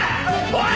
おい！